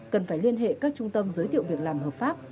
cần phải liên hệ các trung tâm giới thiệu việc làm hợp pháp